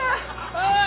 おい！